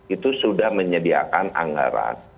itu sudah menyediakan anggaran